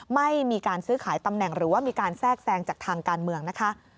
ไม่มีการซื้อขายตำแหน่งหรือว่ามีการแทรกแทรงจากทางการเมืองนะคะ